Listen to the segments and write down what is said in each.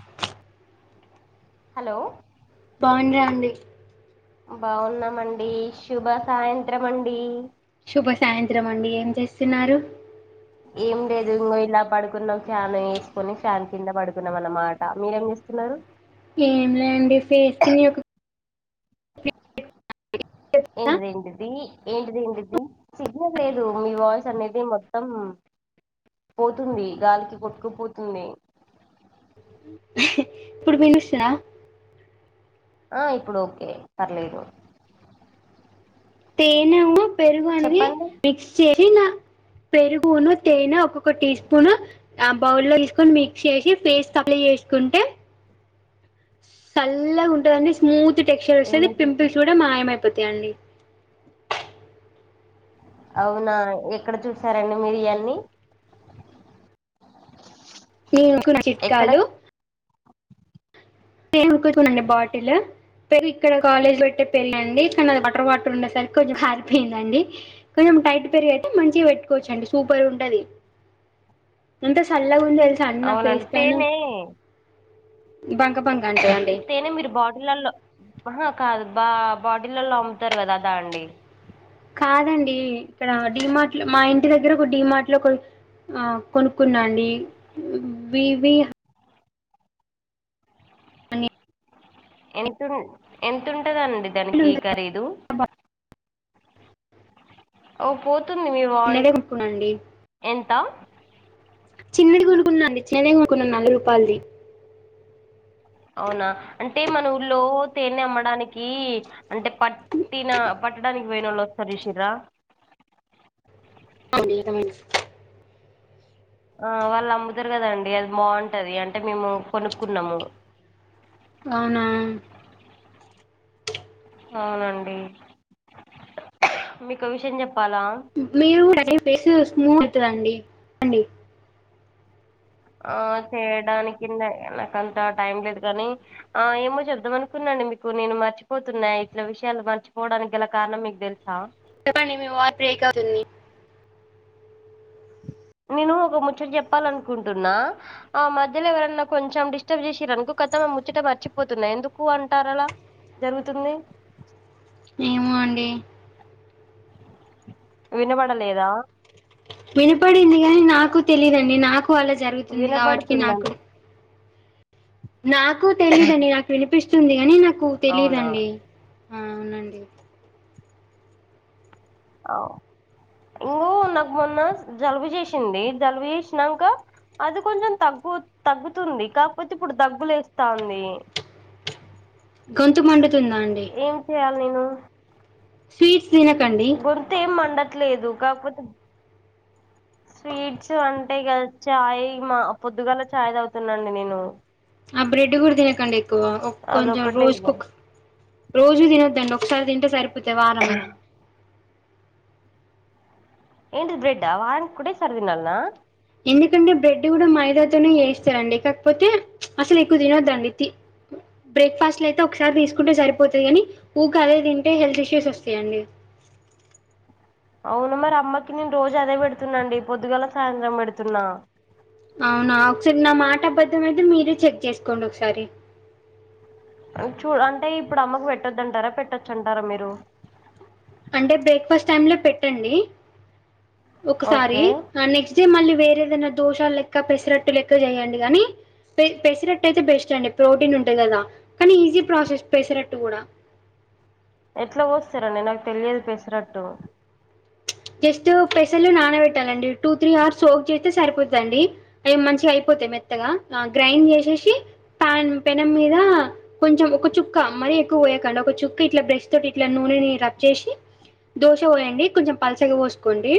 ఛా హలో బాగుండ్రా అండి బాగున్నామండి శుభ సాయంత్రం అండి శుభ సాయంత్రం అండి ఏం చేస్తున్నారు ఏం లేదు ఇంగో ఇలా పడుకున్నాం ఫ్యాన్ ఏసుకొని ఫ్యాన్ కింద పడుకున్నాం అన్నమాట మీరేం చేస్తున్నారు ఏంలే అండి ఫేస్‌ కినియకు ఏంటిది ఏంటిది ఏంటిది ఏంటిది సిగ్నల్ లేదు మీ వాయిస్ అనేది మొత్తం పోతుంది గాలికి కొట్టుకుపోతుంది ఇప్పుడు వీన్సుసా ఆ ఇప్పుడు ఓకే పర్లేదు తేనెను పెరుగు అనేది చెప్పండి మిక్స్ చేసి నా పెరుగును తేనె ఒక్కొక్క టీ స్పూను ఆ బౌల్లో తీసుకొని మిక్స్ చేసి ఫేస్‌కి అప్లై చేసుకుంటే సాల్లగా ఉంటదండి స్మూత్ టెక్స్చర్ వస్తాది ఏమైతుంది పింపుల్స్ కూడా మాయమైపోతాయండి అవునా ఎక్కడ చూసారండి మీరు ఇయాన్నీ నేను [unintelligible] ఎక్కడ చిట్కాలు సేమ్ [unintelligible] బాటిల్ తే ఇక్కడ కాలేజ్ పెట్టే పెళ్ళండి కాని అది వాటర్ వాటర్ ఉండే సరికి కొంచెం అరిపోయిందండి కొంచెం టైట్ పెరుగైతే మంచిగా పెట్టుకోవచ్చండి సూపర్ ఉంటది [inaudible] ఎంత సాల్లగుందో తెలుసా అండి నా అవునండి ఫేస్ పైన తేనె బంక బం తేనే మీరు బా టిలల్లో ఆహ కాదు బా బాటిలల్లో అమ్ముతారు కదా దా అండి కాదండి ఇక్కడ డిమార్ట్‌లో మా ఇంటి దగ్గర ఒక డిమార్ట్‌లో కో ఆ కొనుక్కున్న అండి వివి అని ఎంతుం ఎంతుంటాదండి దానికి ఉంటుంది. ఖరీదు ఓ పోతుంది మీ వాయ్ చిన్నదే కొనుక్కున్నా అండి ఎంత చిన్నది కొనుక్కున్న అండి చిన్నదే కొనుకున్నా నలబై రూపాలది అవునా అంటే మన ఊళ్లో తేనె అమ్మడానికి అంటే ప ట్టినా పట్టడానికి పోయినొళ్ళు వస్తారు చూసిర్రా [unintelligible] ఆ వాళ్ళు అమ్ముతారు కదండి అది బాగుంటది అంటే మేము కొనుక్కున్నాము అవునా అవునండి మీకో విషయం చెప్పాలా మీరు అ ఫేస్ స్మూవ్ అయితదండి ఆ చేయడానికి [unintelligible] నాక అంత టైం లేదు కానీ ఆ ఏమో చెద్దాం అనుకున్నాండి మీకు నేను మర్చిపోతున్నా ఇట్ల విషయాలు మర్చిపోవడానికి గల కారణం మీకు తెలుసా చెప్పండి మీ వాట్ బ్రేక్ అవుతుంది నేను ఒక ముచ్చట చెప్పాలనుకుంటున్నా ఆ మధ్యలో ఎవరన్నా కొంచెం డిస్టర్బ్ చేసిరనుకో కత ముచ్చట మర్చిపోతున్నా ఎందుకు అంటారలా జరుగుతుంది ఏమో అండి వినబడలేదా వినపడింది కాని నాకు తెలిదండి నాకు అలా జరుగుతుంది కాబట్కి వినబడుతుందం నాకు నాకు తెలీదండి నాకు వినిపిస్తుంది అని నాకు అవునా తెలిదండి అవునండి అవు ఇంగ నాకు మొన్న జలుబు చేసింది జలుబు చేసినంక అది కొంచెం తగ్గు తగ్గుతుంది కాకపోతే ఇప్పుడు దగ్గులే వస్తా ఉంది గొంతు మండుతుందండి ఏం చేయాలి నేను స్వీట్స్ తిన్నకండి గొంతు ఏం మండట్లేదు కాపోతే స్వీట్స్ అంటే ఇగా ఛాయ్ మా పొద్దుగాల ఛాయ్ తాగుతానండి నేను ఆ బ్రెడ్ గూడా తిన్నకండి ఎక్కువ కొంచెం అదొక్కటే రోజు ఇక కోక రోజు తిన్నద్దండి ఒకసారి తింటే సరిపోతాయి వారంలా ఏంటిది బ్రెడ్డా వారంన్ ఒకటేసారి తిన్నాలా ఎందుకంటే బ్రెడ్ కూడా మైదాతోనే చేస్తారండి కాకపోతే అసలు ఎక్కువ తినొద్దండి బ్రేక్ఫాస్ట్ అయితే ఒకసారి తీసుకుంటే సరిపోతుది కాని ఊక అదే తింటే హెల్త్ ఇష్యూస్ వస్తాయండి అవును మరి అమ్మకి నేను రోజు అదే పెడుతున్నాండి పొద్దుగాల సాయంత్రం పెడుతున్నా అవునా ఒకసారి నా మాట అబద్ధం అయితే మీరుే చెక్ చేసుకోండి ఒకసారి చూ అంటే ఇప్పుడు అమ్మకు పెట్టొదుంటారా పెట్టొచ్చు అంటారా మీరు అంటే బ్రేక్ఫాస్ట్ టైమ్ లో పెట్టండి ఒకసారి ఓకే ఆ నెక్స్ట్ డే మళ్ళీ వేరేదైనా దోషాలు లెక్క పెసరట్టు లెక్క చేయండి కానీ పె పెసిరట్ అయితే బెస్ట్ అండి ప్రోటీన్ ఉంటుంది కదా కానీ ఈజీ ప్రాసెస్ పెసిరట్టు కూడా ఎట్లా పోస్తారండి నాకు తెలియదు పేసరట్టు జస్ట్ పెసర్లు నానబెట్టాలండి టూ త్రీ అవర్స్ సోక్ చేస్తే సరిపోతదండి అవి మంచిగా అయిపోతాయి మెత్తగా గ్రైండ్ చేసేసి ప్యాన్ పెనం మీద కొంచెం ఒక చుక్క మరీ ఎక్కువ పోయకండి ఒక చుక్క ఇట్లా బ్రష్ తోటి ఇట్లా నూనెని రబ్ చేసి దోశ పోయండి కొంచెం పలసగా పోసుకోండి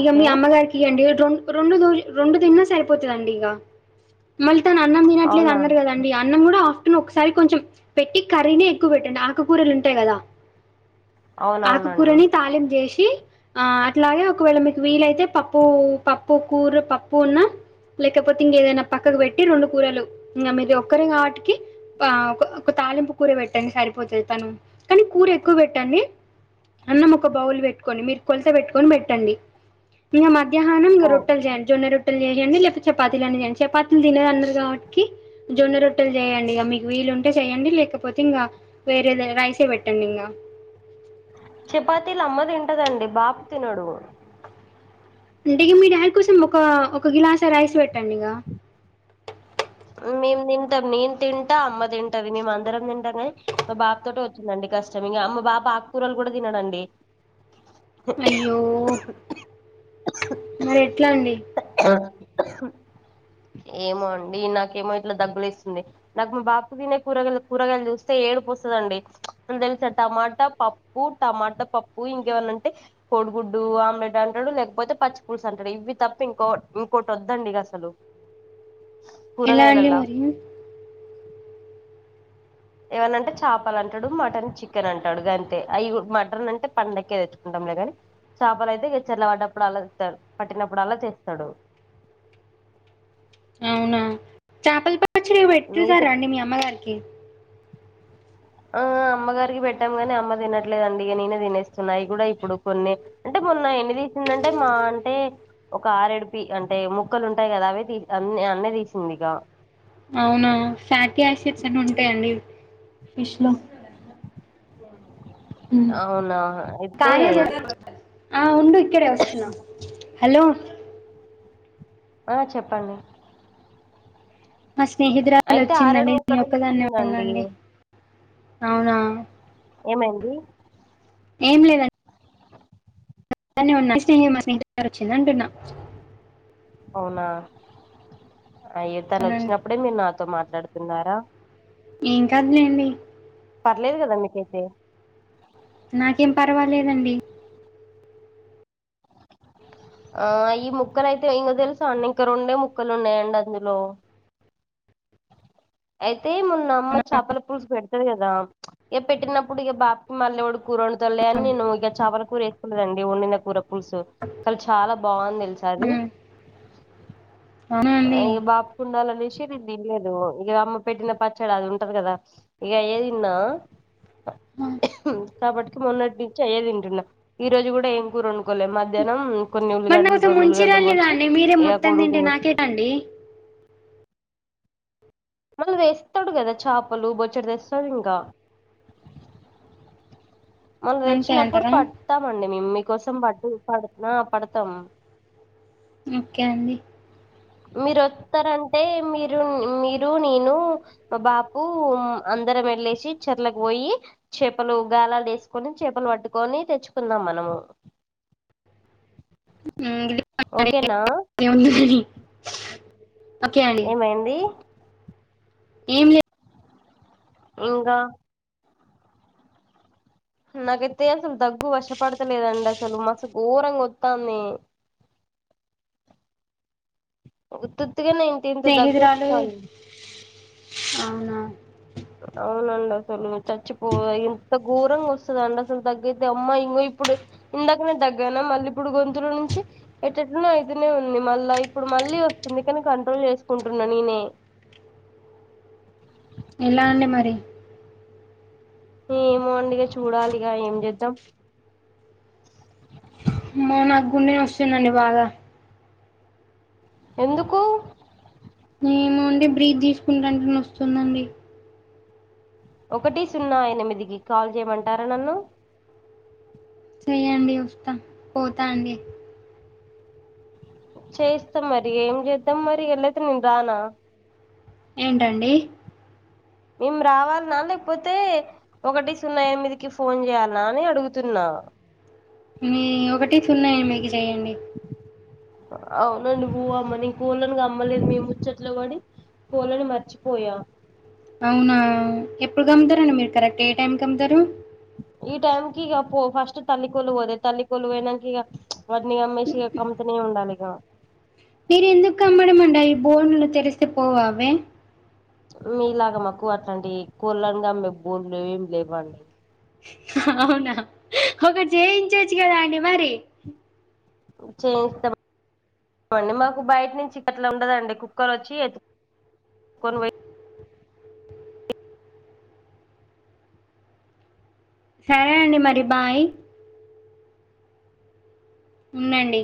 ఇక మీ అమ్మగారికి ఇండి రొండు రొండో రోజ రొండు తిన్నా సరిపోతతుందండి ఇక మళ్ళీ తను అన్నం తినట్లేదు అవునా అన్నారు గాదా అ అన్నం కూడా ఆఫ్టర్నూన్ ఒకసారి కొంచెం పెట్టి కర్రీనే ఎక్కువ పెట్టండి ఆకూరలు ఉంటాయి కదా అవునవునండి ఆకుకూరని తాళిం చేసి ఆ అట్లాగే ఒకవేళ మీకు వీలైతే పప్పు పప్పు కూర పప్పు ఉన్న లేకపోతే ఇంక ఏదైనా పక్కకు పెట్టి రొండు కూరలు ఇంకా మీరు ఒక్కరి కావటికి ఆ ఒక తాలింపు కూర పెట్టండి సరిపోతు తానకు కానీ కూర ఎక్కువ పెట్టండి అన్నం ఒక బౌల్ పెట్టుకొని మీరు కొలత పెట్టుకొని పెట్టండి ఇ మధ్యాహ్నం ఓ రొటల్ చేయండి జొన్న రొట్టెలు రోట్టలు చేయండి లేకపోతే చపాతీలు అయినా చేయండి చపాతీలు తిన అన్నారు కాబట్టి జొన్న రొట్టెలు చేయండి ఇక మీకు వీలు ఉంటే చెయ్యడి లేకపోతే ఇంకా వేరే ఏదో రైసే పెట్టండి ఇక చపాతీలు అమ్మ తింటదండి బాపు తినడు అంటే ఇక మీ డాడీ కోసం ఒక ఒక గ్లాస్ రైస్ పెట్టండి ఇక మేము తింటాం నేను తింటా అమ్మ తింటాది మేము అందరం తింటాగాని మా బాప్ తోటె వచ్చిందండి కష్టం ఇంకా అమ్మ బాప్ ఆకుకూరలు కూడా తినడండి అయ్యో మరి ఎట్లా అండి ఏమో అండి నాకేమో ఇట్లా దగ్గు లేస్తుంది నాకు మా బాప్ కు తినే కూరగాయలు కూరగాయలు చూస్తే ఏడు పోస్తుదండి తెలిసా టమాటా పప్ పప్పు టమాట పప్పు ఇంకేమన్నంటే కోడిగుడ్డు ఆమ్లెట్ అంటాడు లేకపోతే పచ్చి పూలుసు అంటాడు ఇవి తప్ప ఇంకో ఇంకోటి వద్దండి అసలు ఎలా అండి కూరగాయలలా మరి ఏవనంటే చేపలు అంటాడు మటన్ చికెన్ అంటాడు గంతే అవి మటన్ అంటే పండకే తెచ్చుకుంటాంలే గాని చాపాలు అయితే చెరువులో పడ్డప్పుడల్లా తేస్తాడు పట్టినప్పుడు అలా తేస్తాడు అవునా చేపల పచ్చిర మిగతా పెట్టేసారాండి మీ అమ్మగారికి ఆ అమ్మగారికి పెట్టాం గాని అమ్మ తినట్లేదు అండి ఇగ నేనే తినేస్తున్నా అయి కూడా ఇప్పుడు కొన్ని అంటే మొన్న ఎన్ని తీసిందంటే మా అంటే ఒక ఆరెడుపి అంటే ముక్కలు ఉంటాయి కదా అవే తీ అన్ని అన్నే తీసింది ఇక అవునా ఫ్యాటీ యాసిడ్స్ అన్నీ ఉంటాయండి ఫిష్ లో అవునా అయితే కార ఆ ఉండు ఇక్కడే వస్తున్నా హలో ఆ చెప్పండి మా స్నేహితురాలు అయితే ఆరేడు వచ్చిందండి నే ముక్కలు ఒక్కదాన్నే తీసిందండి ఉన్నానండి అవునా ఏమైంది ఏం లేదండి బాగానే ఉన్నా మా స్నేహితురాలు వచ్చింది అంటున్నా అవునా అయ్యో తను అవునండి వచ్చినప్పుడే మీరు నాతో మాట్లాడుతున్నారా ఏం కాదులేండి పర్లేదు కదా మీకైతే నాకేం పర్వాలేదండి ఆ ఈ ముక్కల అయితే ఇంక తెలుసా అండి ఇంక రెండే ముక్కలు ఉన్నాయండి అందులో అయితే మొన్న అమ్మ చేపల పులుసు పెడతారు కదా ఇక పెట్టినప్పుడు ఇక బాప్ కి మళ్ళీ ఒడు కూర వండుతోలే అని నన్నను ఇక చ చేపల కూర వేసుకున్నదండి ఉండిన కూర పూల్సు అలి చాలా బాగుంది తెలుస అది ఉమ్. అవునా అ అండి బప్ కుండాలనేసిరినేను తినలేదు ఇక అమ్మ పెట్టిన పచ్చడి అది ఉంటాది కదా ఇక అయ్యే తిన్నా కాబటికి మొన్నటి నుంచి అయ్యే తింటున్నా ఈ రోజు కూడా ఏం కూర వండుకోలే మధ్యాహ్ం కొన్ని మరి నా ఉల్లిగడ్డలు కోసం రెండు ముంచి ఉల్లిగడ్డలు రాలేదా కోసి అండి మీరే ఇక మొత్తం కోడిగుడ్లు తింటే పోసి నాకేటండి కల్ తే స్తాడు కదా చేపలు బొచ్చడు తెస్తాడు ఇంకా మళ్న అంతే తెచ్చినప్పుడు అంటారా పడతామండి మేమ్ మీ కోసం పట్ ఆ పడతాము ఓకే అండి మీరు వొత్తరంటే మీరు మీరు నేను బాపు అందరం ఎళ్ళేసి చెర్లకు పోయి చేపలు గాలాలు ఎసుకొని చేపలు పట్టుకొని తెచ్చుకుందాం మనము హ్మ్ [unintelligible] ఓకేనా ఏమున్నదనీ ఏమైంది ఏం లే ఇంగా నాకైతే అసలు దగ్గు వశపడతలేదండి అసలు మస్తు గోరంగా వొత్తంది ఉత్తుత్తిగనే ఇంత ఇంత దగ్గు స్నేహితురాలు వస్తాంది అవునా అవునండి అసలు చచ్చిపో ఇంత గోరంగా వస్తదా అండి అసలు దగ్గుఐతే అమ్మా ఇంగొ ఇప్పుడు ఇందాకనె దగ్గాన మళ్ళీ ఇప్పుడు గొంతులో నుంచి ఎట్టెట్లనో అయితూనే ఉంది మళ్ళా ఇప్పుడు మళ్ళీ వస్తుంది కానీ కంట్రోల్ చేసుకుంటున్నా నేనే ఎలా అండి మరి ఏమోండి ఇగ చూడాలిగ ఏం చేద్దాం అమ్మో నాకు గుండె నొస్తుందండి బాగా ఎందుకు ఏమో అండి బ్రీత్ తీసుకుంటా అంటే నొస్తుందండి ఒకటి సున్నా ఎనిమిదికి కాల్ చేయమంటారా నన్ను చెయ్యండి వస్తా పోతా అండి చేయిస్తాం మరి ఏం చేద్దాం మరి [unintelligible] నేను రానా ఏంటండి మేము రావాల్నా లేకపోతే ఒకటి సున్నా ఎనిమిదికి ఫోన్ చేయ్యాలా అని అడుగుతున్నా మీ ఒకటి సున్నా ఎనిమిదికి చెయ్యండి అవునండి [unintelligible] అమ్మ నీ కోళ్ళని అమ్మలేదు మేముచ్చట్ ఇంట్లో పడి పోలను మర్చిపోయా అవునా ఎప్పుడు కమ్ముతరండి మీరు కరెక్ట్ ఏ టైంకి కమ్ముతరు ఈ టైం కి ఇగ పో ఫస్ట్ తల్లి కొలు పోతై తల్లి కొలు పోయనాక ఇగ ప్ల్చ్ వాటిని కమ్మేసి ఇగ కమ్ముతనే ఉండాలిగా మీరు ఎందుకు కమ్మడం అండి అవి బోన్లు తెరిస్తే పోవా అవి మీలాగా మాకు అట్లాంటి కోళ్ళను కమ్మే బోన్లు ఏమి లేవండి ఆహా అవునా ఒకటి చేయించచ్చు కదా అండి మరి చేయిస్తం అండి మాకు బయట నుంచి అట్లా ఉండదండి కుక్కలు అచ్చి ఎత్తుకొని పోయి సరే అండి మరి బాయ్ ఉందండి